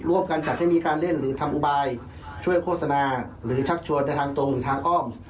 การจัดให้มีการเล่นหรือทำอุบายช่วยโฆษณาหรือชักชวนในทางตรงทางอ้อม